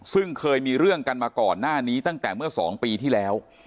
ซึ่งเคยมีเรื่องกันมาก่อนหน้านี้ตั้งแต่เมื่อ๒ปีที่แล้ว